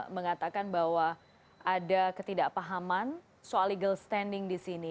mengatakan bahwa ada ketidakpahaman soal legal standing disini